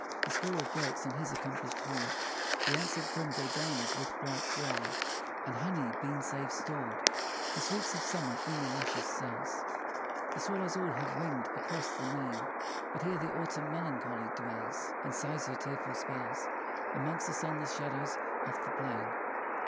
The squirrel gloats on his accomplish'd hoard, The ants have brimm'd their garners with ripe grain, And honey been save stored The sweets of summer in their luscious cells; The swallows all have wing'd across the main; But here the Autumn melancholy dwells, And sighs her tearful spells Amongst the sunless shadows of the plain.